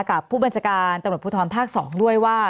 กับผู้บรรจการตะหมดภูทรภาค๒ด้วยว่า